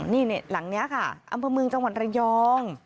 นี่หลังนี้ค่ะอำเภอเมืองจังหวัดระยอง